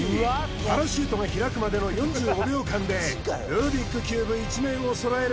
パラシュートが開くまでの４５秒間でルービックキューブ１面を揃える